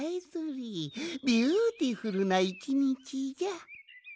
ビューティフルな１にちじゃ。